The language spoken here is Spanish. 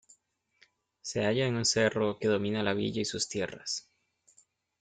Se halla en un cerro que domina la villa y sus tierras.